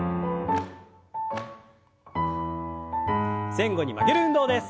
前後に曲げる運動です。